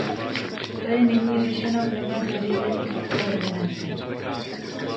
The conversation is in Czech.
To je nyní řešeno v novém nařízení o koordinaci.